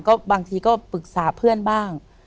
ก็บางทีก็ปรึกษาเพื่อนบ้าง